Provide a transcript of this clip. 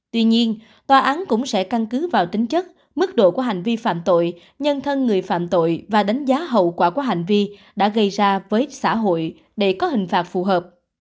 tuy nhiên tòa án cũng sẽ căn cứ vào tính chất mức độ của hành vi phạm tội nhân thân người phạm tội và đánh giá hậu quả của hành vi đã gây ra với xã hội để có hình phạt phù hợp